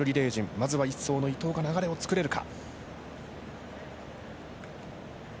まずは１走の伊東が流れを作れるか。